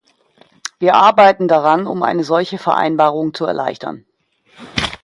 Wir arbeiten daran, um eine solche Vereinbarung zu erleichtern.